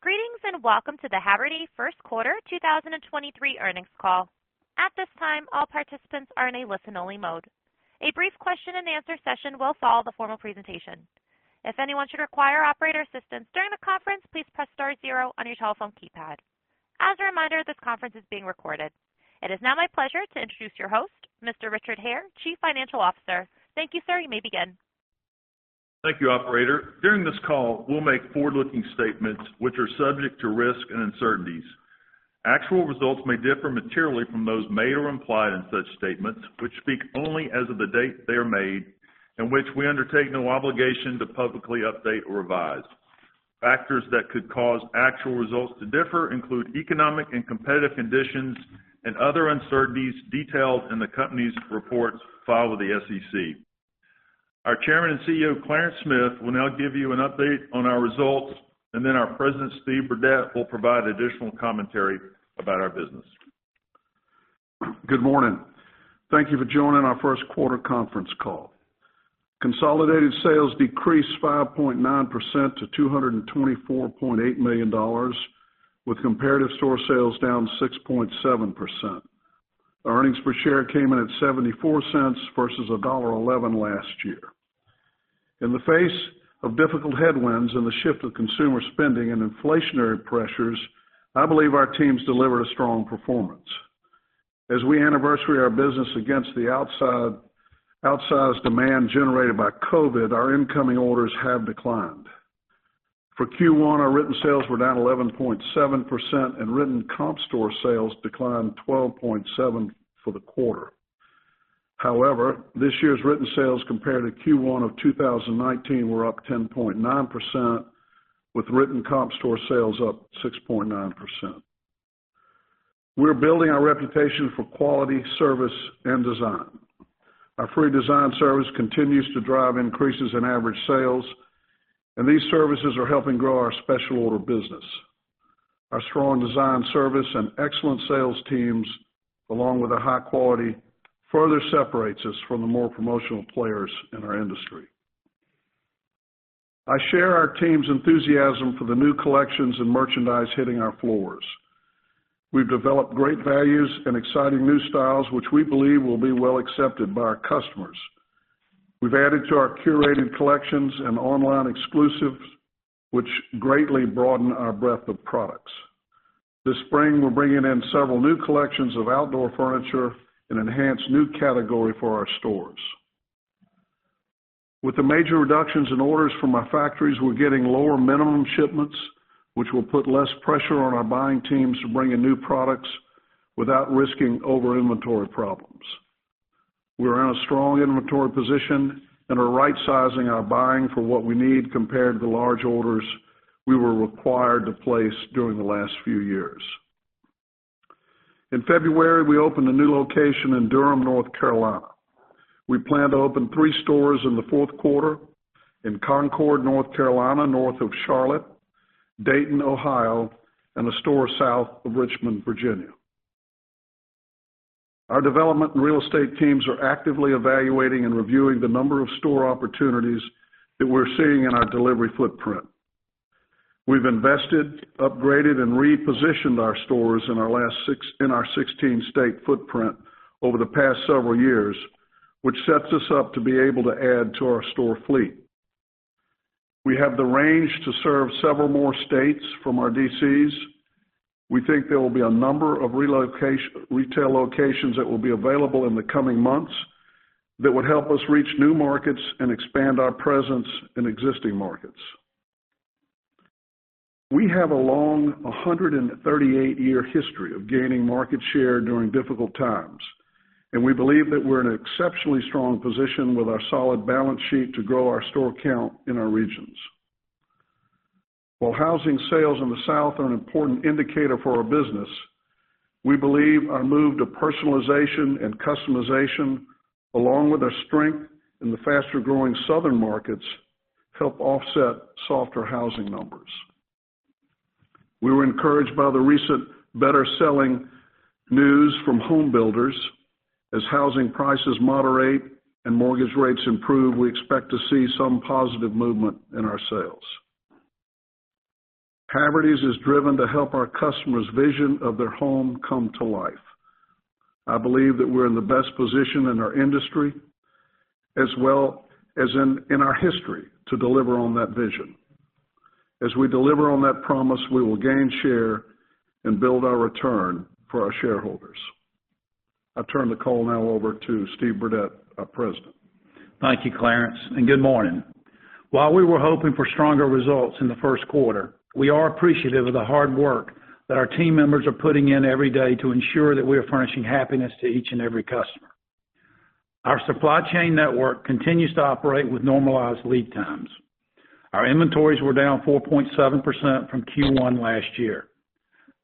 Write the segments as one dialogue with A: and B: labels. A: Greetings and welcome to the Haverty first quarter 2023 earnings call. At this time, all participants are in a listen-only mode. A brief question and answer session will follow the formal presentation. If anyone should require operator assistance during the conference, please press star zero on your telephone keypad. As a reminder, this conference is being recorded. It is now my pleasure to introduce your host, Mr. Richard Hare, Chief Financial Officer. Thank you, sir. You may begin.
B: Thank you operator. During this call, we'll make forward-looking statements which are subject to risk and uncertainties. Actual results may differ materially from those made or implied in such statements, which speak only as of the date they are made, and which we undertake no obligation to publicly update or revise. Factors that could cause actual results to differ include economic and competitive conditions and other uncertainties detailed in the company's reports filed with the SEC. Our Chairman and CEO Clarence Smith, will now give you an update on our results, and then our President Steve Burdette, will provide additional commentary about our business.
C: Good morning. Thank you for joining our first quarter conference call. Consolidated sales decreased 5.9% to $224.8 million, with comparative store sales down 6.7%. Earnings per share came in at $0.74 versus $1.11 last year. In the face of difficult headwinds and the shift of consumer spending and inflationary pressures, I believe our teams delivered a strong performance. As we anniversary our business against the outside, outsized demand generated by COVID, our incoming orders have declined. For Q1, our written sales were down 11.7%, and written comp store sales declined 12.7% for the quarter. However, this year's written sales compared to Q1 of 2019 were up 10.9%, with written comp store sales up 6.9%. We're building our reputation for quality service, and design. Our free design service continues to drive increases in average sales, and these services are helping grow our special order business. Our strong design service and excellent sales teams, along with a high quality, further separates us from the more promotional players in our industry. I share our team's enthusiasm for the new collections and merchandise hitting our floors. We've developed great values and exciting new styles which we believe will be well accepted by our customers. We've added to our curated collections and online exclusives, which greatly broaden our breadth of products. This spring, we're bringing in several new collections of outdoor furniture and enhance new category for our stores. With the major reductions in orders from our factories, we're getting lower minimum shipments, which will put less pressure on our buying teams to bring in new products without risking over-inventory problems. We're in a strong inventory position and are rightsizing our buying for what we need compared to large orders we were required to place during the last few years. In February, we opened a new location in Durham North Carolina. We plan to open three stores in the fourth quarter in Concord, North Carolina, north of Charlotte, Dayton, Ohio, and a store south of Richmond Virginia. Our development and real estate teams are actively evaluating and reviewing the number of store opportunities that we're seeing in our delivery footprint. We've invested, upgraded, and repositioned our stores in our 16-state footprint over the past several years, which sets us up to be able to add to our store fleet. We have the range to serve several more states from our DCs. We think there will be a number of retail locations that will be available in the coming months that would help us reach new markets and expand our presence in existing markets. We have a long, 138-year history of gaining market share during difficult times, and we believe that we're in exceptionally strong position with our solid balance sheet to grow our store count in our regions. While housing sales in the South are an important indicator for our business, we believe our move to personalization and customization, along with our strength in the faster-growing southern markets, help offset softer housing numbers. We were encouraged by the recent better selling news from home builders. As housing prices moderate and mortgage rates improve, we expect to see some positive movement in our sales. Havertys is driven to help our customers' vision of their home come to life. I believe that we're in the best position in our industry as well as in our history to deliver on that vision. We deliver on that promise, we will gain share and build our return for our shareholders. I turn the call now over to Steve Burdette, our president.
D: Thank you Clarence, and good morning. While we were hoping for stronger results in the first quarter, we are appreciative of the hard work that our team members are putting in every day to ensure that we are furnishing happiness to each and every customer. Our supply chain network continues to operate with normalized lead times. Our inventories were down 4.7% from Q1 last year.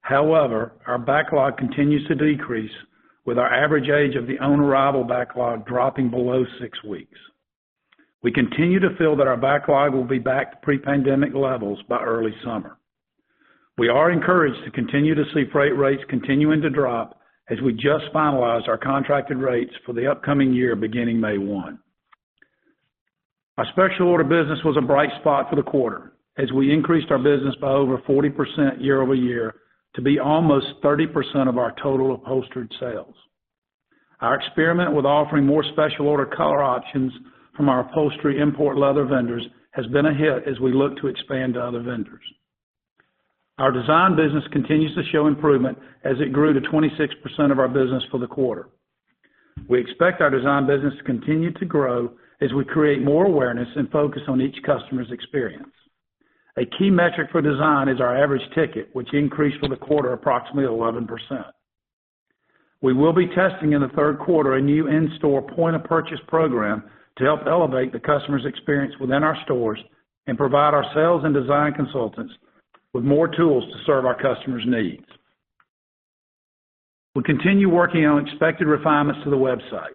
D: However, our backlog continues to decrease with our average age of the own arrival backlog dropping below 6 weeks. We continue to feel that our backlog will be back to pre-pandemic levels by early summer. We are encouraged to continue to see freight rates continuing to drop as we just finalized our contracted rates for the upcoming year beginning May 1. Our special order business was a bright spot for the quarter as we increased our business by over 40% year-over-year to be almost 30% of our total upholstered sales. Our experiment with offering more special order color options from our upholstery import leather vendors has been a hit as we look to expand to other vendors. Our design business continues to show improvement as it grew to 26% of our business for the quarter. We expect our design business to continue to grow as we create more awareness and focus on each customer's experience. A key metric for design is our average ticket, which increased for the quarter approximately 11%. We will be testing in the third quarter a new in-store point-of-purchase program to help elevate the customer's experience within our stores and provide our sales and design consultants with more tools to serve our customers' needs. We continue working on expected refinements to the website.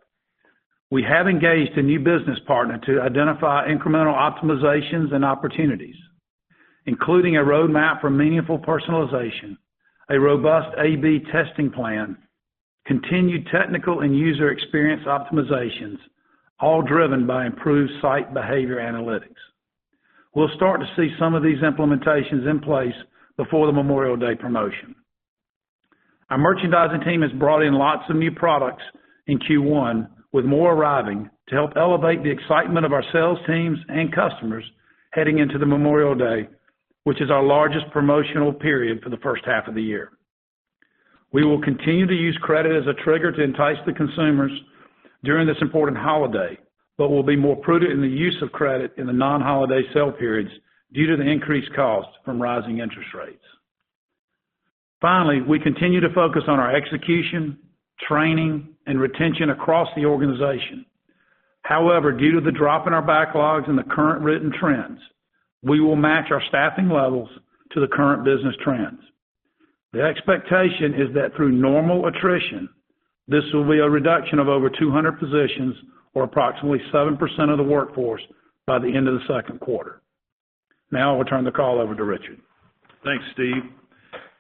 D: We have engaged a new business partner to identify incremental optimizations and opportunities, including a roadmap for meaningful personalization, a robust A/B testing plan, continued technical and user experience optimizations, all driven by improved site behavior analytics. We'll start to see some of these implementations in place before the Memorial Day promotion. Our merchandising team has brought in lots of new products in Q1, with more arriving to help elevate the excitement of our sales teams and customers heading into the Memorial Day, which is our largest promotional period for the first half of the year. We will continue to use credit as a trigger to entice the consumers during this important holiday, but we'll be more prudent in the use of credit in the non-holiday sale periods due to the increased cost from rising interest rates. Finally, we continue to focus on our execution, training, and retention across the organization. However, due to the drop in our backlogs and the current written trends, we will match our staffing levels to the current business trends. The expectation is that through normal attrition, this will be a reduction of over 200 positions or approximately 7% of the workforce by the end of the 2nd quarter. Now I will turn the call over to Richard.
B: Thanks Steve.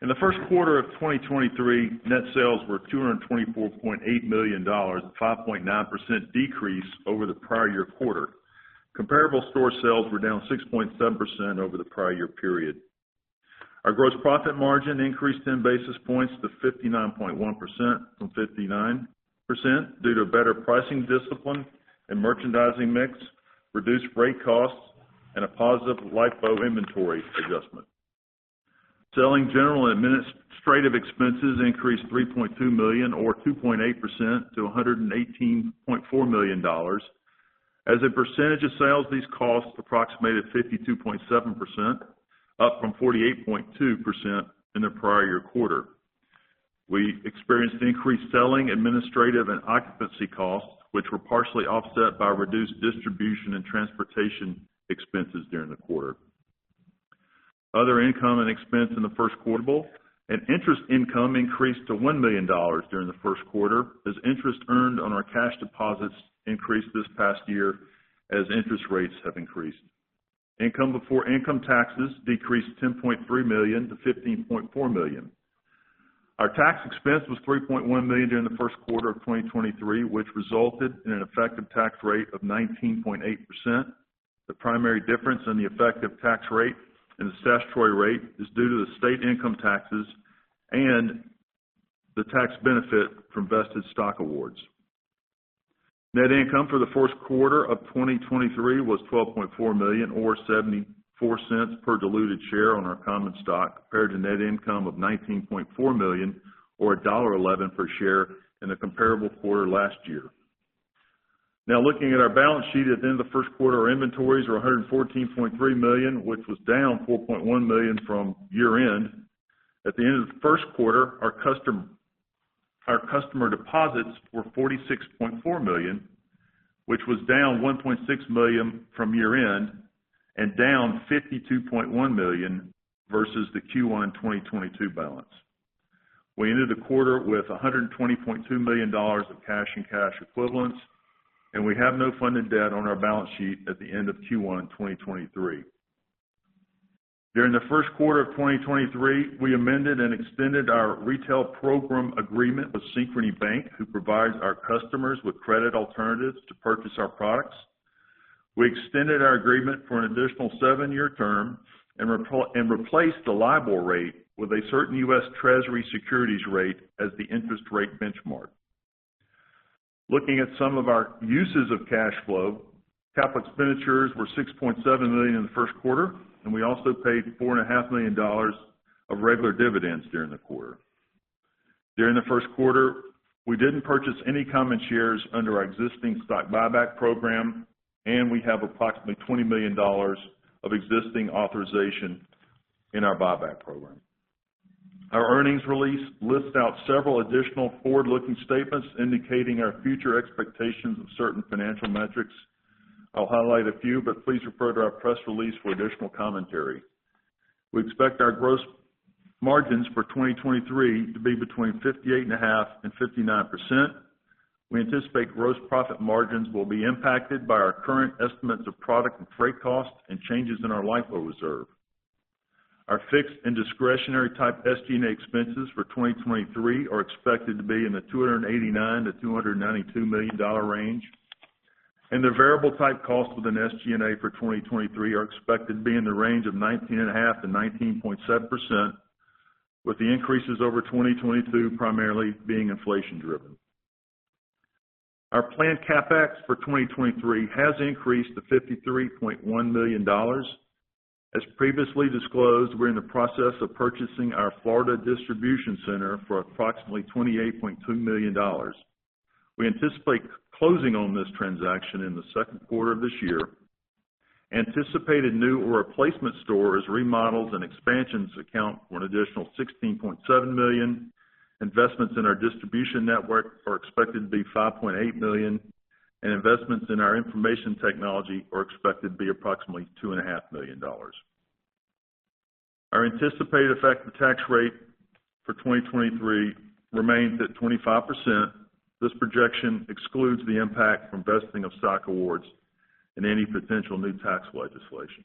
B: In the first quarter of 2023, net sales were $224.8 million, 5.9% decrease over the prior-year quarter. Comparable store sales were down 6.7% over the prior-year period. Our gross profit margin increased 10 basis points to 59.1% from 59% due to better pricing discipline and merchandising mix, reduced rate costs, and a positive LIFO inventory adjustment. Selling General, and Administrative expenses increased $3.2 million or 2.8% to $118.4 million. As a percentage of sales, these costs approximated 52.7%, up from 48.2% in the prior-year quarter. We experienced increased selling, administrative, and occupancy costs, which were partially offset by reduced distribution and transportation expenses during the quarter. Other income and expense in the first quarter bill and interest income increased to $1 million during the first quarter as interest earned on our cash deposits increased this past year as interest rates have increased. Income before income taxes decreased $10.3 million to $15.4 million. Our tax expense was $3.1 million during the first quarter of 2023, which resulted in an effective tax rate of 19.8%. The primary difference in the effective tax rate and the statutory rate is due to the state income taxes and the tax benefit from vested stock awards. Net income for the first quarter of 2023 was $12.4 million or $0.74 per diluted share on our common stock, compared to net income of $19.4 million or $1.11 per share in the comparable quarter last year. Looking at our balance sheet at the end of the first quarter, our inventories were $114.3 million, which was down $4.1 million from year-end. At the end of the first quarter, our customer deposits were $46.4 million, which was down $1.6 million from year-end and down $52.1 million versus the Q1 2022 balance. We ended the quarter with $120.2 million of cash and cash equivalents, and we have no funded debt on our balance sheet at the end of Q1 in 2023. During the first quarter of 2023, we amended and extended our retail program agreement with Synchrony Bank, who provides our customers with credit alternatives to purchase our products. We extended our agreement for an additional seven-year term and replaced the LIBOR rate with a certain U.S. Treasury Securities rate as the interest rate benchmark. Looking at some of our uses of cash flow, capital expenditures were $6.7 million in the first quarter, and we also paid four and a half million dollars of regular dividends during the quarter. During the first quarter, we didn't purchase any common shares under our existing stock buyback program, and we have approximately $20 million of existing authorization in our buyback program. Our earnings release lists out several additional forward-looking statements indicating our future expectations of certain financial metrics. I'll highlight a few, but please refer to our press release for additional commentary. We expect our gross margins for 2023 to be between 58 and a half and 59%. We anticipate gross profit margins will be impacted by our current estimates of product and freight costs and changes in our LIFO reserve. Our fixed and discretionary type SG&A expenses for 2023 are expected to be in the $289 million-$292 million range. The variable type cost within SG&A for 2023 are expected to be in the range of 19.5%-19.7%, with the increases over 2022 primarily being inflation driven. Our planned CapEx for 2023 has increased to $53.1 million. As previously disclosed, we're in the process of purchasing our Florida distribution center for approximately $28.2 million. We anticipate closing on this transaction in the second quarter of this year. Anticipated new or replacement stores, remodels, and expansions account for an additional $16.7 million. Investments in our distribution network are expected to be $5.8 million, and investments in our information technology are expected to be approximately $2.5 million. Our anticipated effective tax rate for 2023 remains at 25%. This projection excludes the impact from vesting of stock awards and any potential new tax legislation.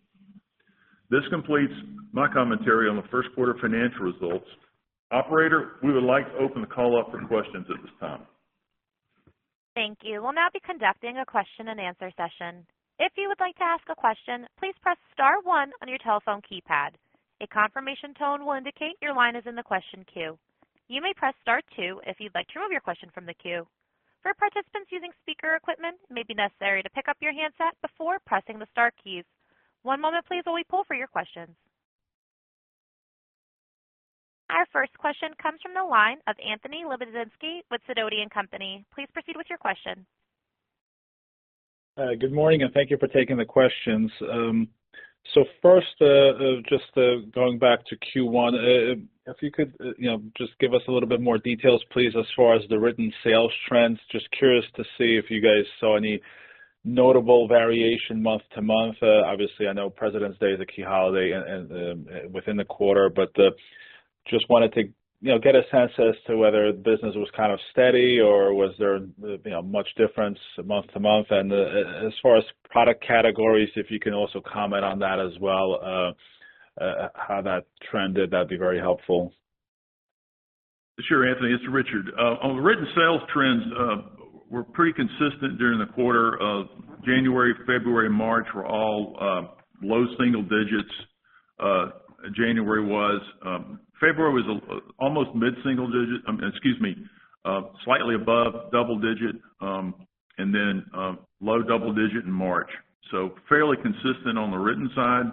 B: This completes my commentary on the first quarter financial results. Operator, we would like to open the call up for questions at this time.
A: Thank you. We'll now be conducting a question-and-answer session. If you would like to ask a question, please press star one on your telephone keypad. A confirmation tone will indicate your line is in the question queue. You may press star two if you'd like to remove your question from the queue. For participants using speaker equipment, it may be necessary to pick up your handset before pressing the star keys. One moment please while we poll for your questions. Our first question comes from the line of Anthony Lebiedzinski with Sidoti & Company. Please proceed with your question.
E: Good morning, and thank you for taking the questions. First, just going back to Q1, if you could, you know, just give us a little bit more details, please, as far as the written sales trends. Just curious to see if you guys saw any notable variation month to month. Obviously, I know Presidents' Day is a key holiday and within the quarter, but just wanted to, you know, get a sense as to whether business was kind of steady or was there, you know, much difference month to month. As far as product categories, if you can also comment on that as well, how that trended, that'd be very helpful.
B: Sure Anthony, it's Richard. On the written sales trends, we're pretty consistent during the quarter of January, February, March were all low single digits. January was, February was almost mid-single digit. Excuse me, slightly above double digit, then low double digit in March, fairly consistent on the written side.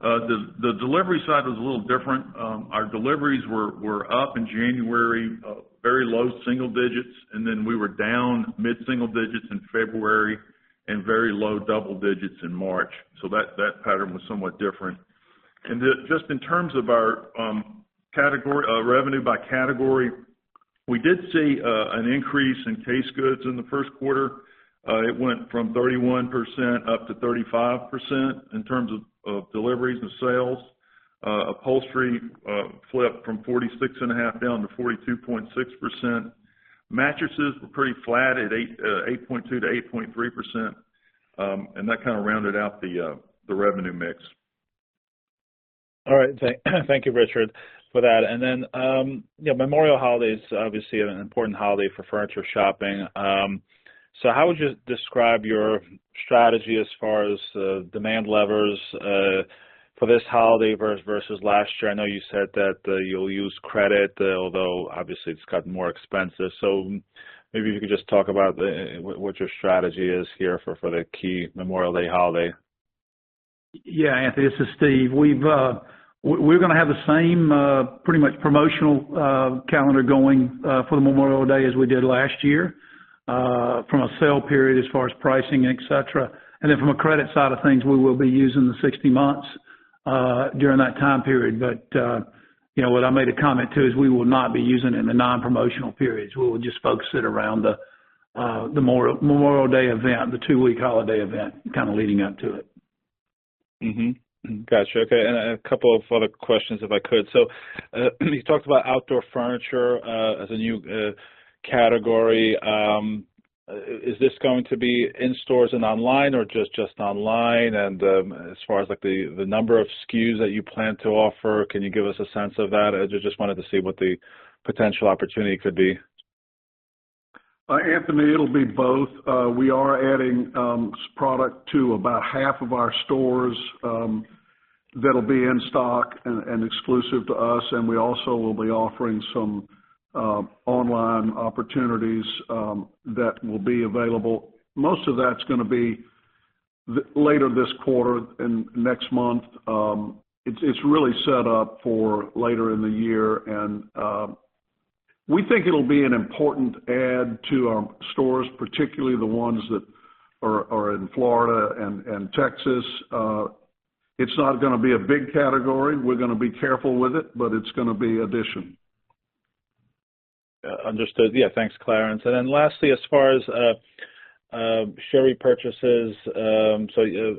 B: The delivery side was a little different. Our deliveries were up in January, very low single digits, then we were down mid-single digits in February and very low double digits in March. That pattern was somewhat different. Just in terms of our category revenue by category, we did see an increase in case goods in the first quarter. It went from 31% up to 35% in terms of deliveries and sales. Upholstery flipped from 46.5% down to 42.6%. Mattresses were pretty flat at 8.2%-8.3%. That kind of rounded out the revenue mix.
E: All right. Thank you Richard for that. And then, you know, Memorial holiday's obviously an important holiday for furniture shopping. So how would you describe your strategy as far as demand levers for this holiday versus last year? I know you said that you'll use credit, although obviously it's gotten more expensive. So maybe if you could just talk about what your strategy is here for the key Memorial Day holiday.
D: Yeah Anthony this is Steve. We've, we're gonna have the same, pretty much promotional calendar going for the Memorial Day as we did last year, from a sale period as far as pricing, et cetera. Then from a credit side of things, we will be using the 60 months, during that time period. you know, what I made a comment too, is we will not be using in the non-promotional periods. We will just focus it around the Memorial Day event, the two-week holiday event kind of leading up to it.
E: Mm-hmm. Got you. Okay, a couple of other questions if I could. You talked about outdoor furniture as a new category. Is this going to be in stores and online or just online? As far as like the number of SKUs that you plan to offer, can you give us a sense of that? I just wanted to see what the potential opportunity could be.
C: Anthony, it'll be both. We are adding product to about half of our stores that'll be in stock and exclusive to us, and we also will be offering some online opportunities that will be available. Most of that's gonna be later this quarter and next month. It's really set up for later in the year. We think it'll be an important add to our stores, particularly the ones that are in Florida and Texas. It's not gonna be a big category, we're gonna be careful with it, but it's gonna be addition.
E: Understood. Yeah thanks Clarence. Lastly, as far as share repurchases,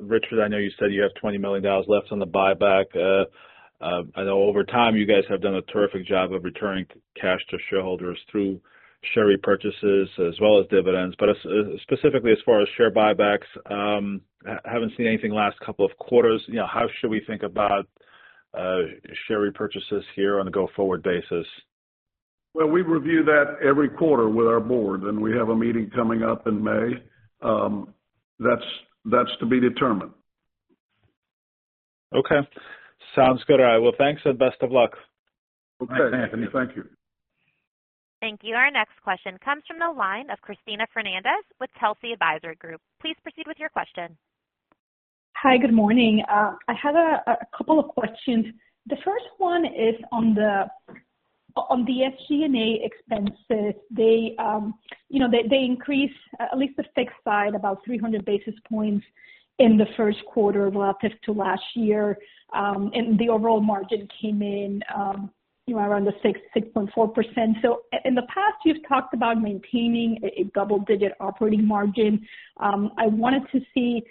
E: Richard I know you said you have $20 million left on the buyback. I know over time you guys have done a terrific job of returning cash to shareholders through share repurchases as well as dividends. Specifically as far as share buybacks, haven't seen anything last couple of quarters. You know, how should we think about share repurchases here on a go-forward basis?
C: Well, we review that every quarter with our board, and we have a meeting coming up in May. That's to be determined.
E: Okay. Sounds good. All right. Well, thanks and best of luck.
C: Okay, Anthony. Thank you.
A: Thank you. Our next question comes from the line of Cristina Fernández with Telsey Advisory Group. Please proceed with your question.
F: Hi, good morning. I have a couple of questions. The first one is on the SG&A expenses. They, you know, they increase at least the fixed side about 300 basis points in the first quarter relative to last year. And the overall margin came in, you know, around the 6.4%. In the past, you've talked about maintaining a double-digit operating margin. I wanted to see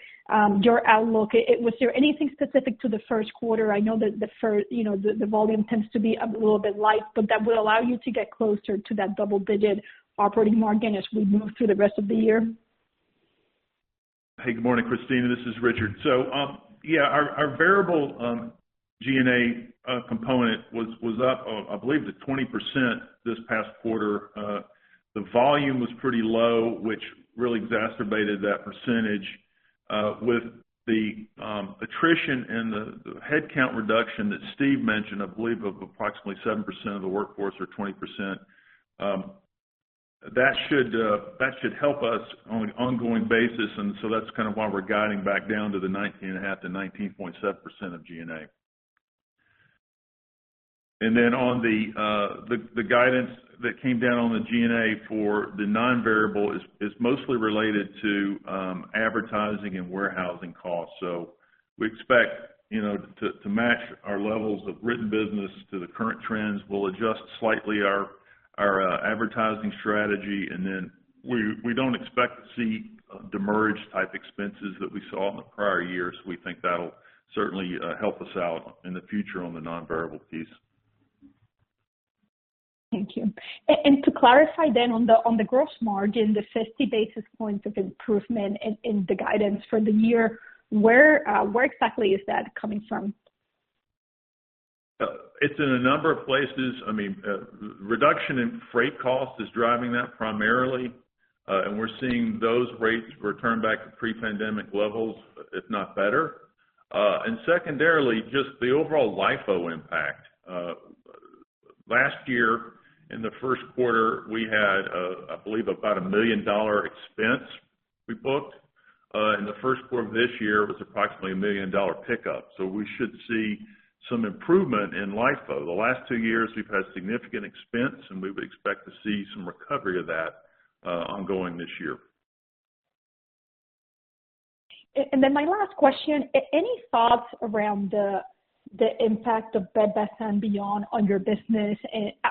F: your outlook. Was there anything specific to the first quarter? I know that, you know, the volume tends to be a little bit light, but that will allow you to get closer to that double-digit operating margin as we move through the rest of the year.
B: Hey good morning Cristina this is Richard so, Yeah, our variable G&A component was up, I believe, to 20% this past quarter. The volume was pretty low, which really exacerbated that percentage, with the attrition and the headcount reduction that Steve Burdette mentioned, I believe, of approximately 7% of the workforce or 20%. That should help us on an ongoing basis. That's kind of why we're guiding back down to the 19.5%-19.7% of G&A. And then on the guidance that came down on the G&A for the non-variable is mostly related to advertising and warehousing costs. We expect, you know, to match our levels of written business to the current trends. We'll adjust slightly our advertising strategy, and then we don't expect to see discrete type expenses that we saw in the prior years. We think that'll certainly help us out in the future on the non-variable piece.
F: Thank you, and to clarify then on the gross margin, the 50 basis points of improvement in the guidance for the year, where exactly is that coming from?
B: It's in a number of places, I mean, reduction in freight cost is driving that primarily, and we're seeing those rates return back to pre-pandemic levels, if not better. Secondarily, just the overall LIFO impact. Last year in the first quarter, we had, I believe about a $1 million expense we booked. In the first quarter of this year, it was approximately a $1 million pickup. We should see some improvement in LIFO. The last two years, we've had significant expense, and we would expect to see some recovery of that, ongoing this year.
F: My last question. Any thoughts around the impact of Bed Bath & Beyond on your business?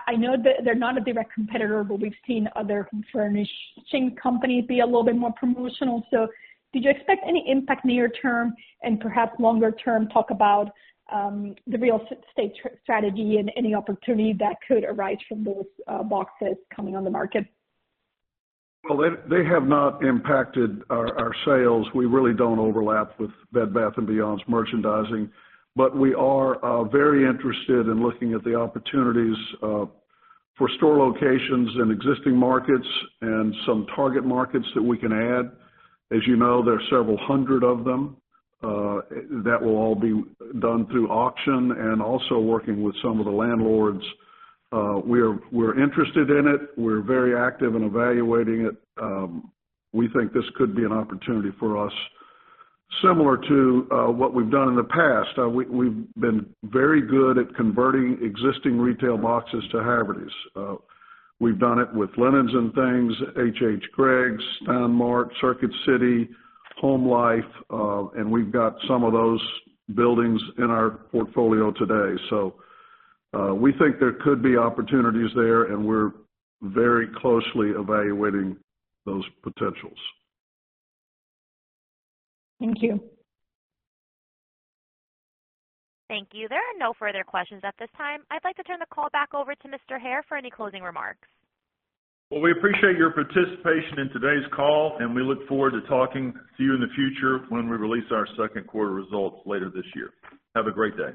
F: I know that they're not a direct competitor, but we've seen other furnishing companies be a little bit more promotional, so did you expect any impact near term and perhaps longer term? Talk about the real estate strategy and any opportunity that could arise from those boxes coming on the market.
C: They have not impacted our sales. We are very interested in looking at the opportunities for store locations in existing markets and some target markets that we can add. As you know, there are several hundred of them that will all be done through auction and also working with some of the landlords. We're interested in it. We're very active in evaluating it. We think this could be an opportunity for us similar to what we've done in the past. We've been very good at converting existing retail boxes to Havertys. We've done it with Linens 'n Things, HHgregg's, Town Mart, Circuit City, Homelife, and we've got some of those buildings in our portfolio today. We think there could be opportunities there, and we're very closely evaluating those potentials.
F: Thank you.
A: Thank you. There are no further questions at this time. I'd like to turn the call back over to Mr. Hare for any closing remarks.
B: Well, we appreciate your participation in today's call, and we look forward to talking to you in the future when we release our second quarter results later this year. Have a great day.